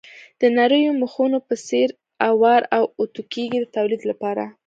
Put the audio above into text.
د نریو مخونو په څېر اوار او اتو کېږي د تولید لپاره.